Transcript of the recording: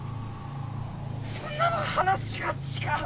そんなの話が違う。